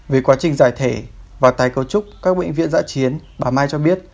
về quá trình giải thể và tái cấu trúc các bệnh viện giã chiến bà mai cho biết